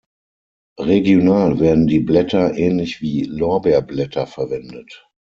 Regional werden die Blätter ähnlich wie Lorbeerblätter verwendet.